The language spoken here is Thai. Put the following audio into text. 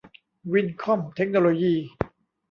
วินท์คอม เทคโนโลยี